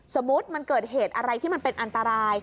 สมมุติมันเกิดเหตุอะไรที่มันเป็นอันตราย